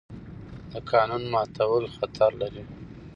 د قانون ماتول خطر لري